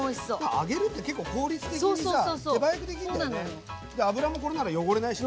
揚げるって結構効率的にさ手早くできるんだよね。